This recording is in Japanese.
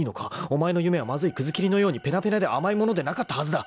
［お前の夢はまずいくず切りのようにぺなぺなで甘いものでなかったはずだ］